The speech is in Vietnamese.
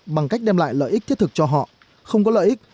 bằng cách đem lại lợi ích thiết thực cho họ không có lợi ích